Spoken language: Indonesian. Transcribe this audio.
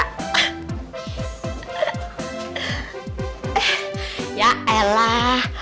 eh ya elah